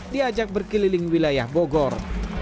di keliling wilayah bogor